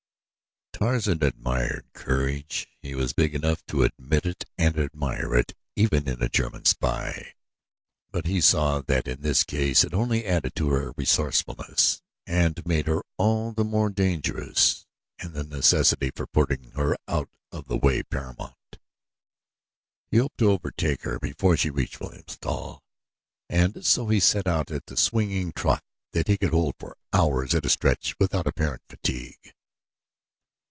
Tarzan admired courage. He was big enough to admit it and admire it even in a German spy, but he saw that in this case it only added to her resourcefulness and made her all the more dangerous and the necessity for putting her out of the way paramount. He hoped to overtake her before she reached Wilhelmstal and so he set out at the swinging trot that he could hold for hours at a stretch without apparent fatigue.